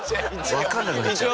わかんなくなっちゃう。